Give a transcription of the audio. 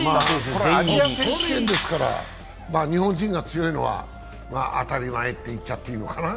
これはアジア選手権ですから日本人が強いのは当たり前って言っちゃっていいかな。